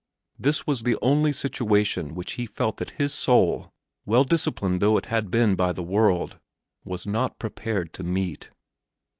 This was the only situation which he felt that his soul, well disciplined though it had been by the world, was not prepared to meet.